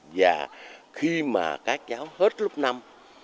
và khi mà các cháu hết lúc năm